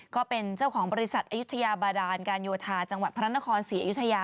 ก็เป็นเจ้าของบริษัทอายุทยาบาดานการโยธาจังหวัดพระนครศรีอยุธยา